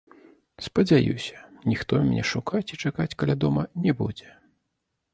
Спадзяюся, ніхто мяне шукаць і чакаць каля дома не будзе.